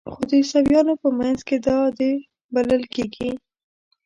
خو د عیسویانو په منځ کې دا د بلل کیږي.